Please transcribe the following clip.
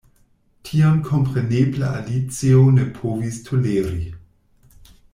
Tion kompreneble Alicio ne povis toleri.